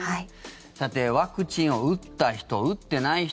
ワクチンを打った人打ってない人